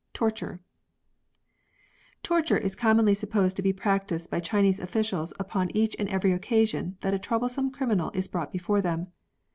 TORTURE, Torture is commonly supposed to be practised by Chinese ofl&cials upon eacb and every occasion that a troublesome criminal is brought before them.